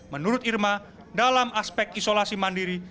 menurut irma dalam aspek isolasi mandiri